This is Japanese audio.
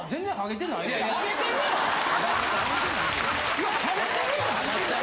いやハゲてるやん。